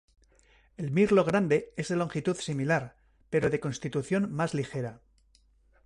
El mirlo grande es de longitud similar, pero de constitución más ligera.